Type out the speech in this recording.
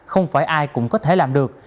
không phải ai cũng có thể làm được